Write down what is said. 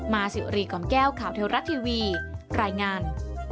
สิวรีกล่อมแก้วข่าวเทวรัฐทีวีรายงาน